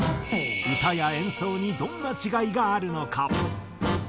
歌や演奏にどんな違いがあるのか？